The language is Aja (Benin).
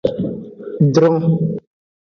Dron.